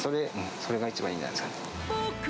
それが一番じゃないですかね。